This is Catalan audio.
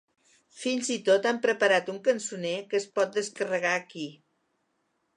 Fins i tot han preparat un cançoner que es pot descarregar aquí.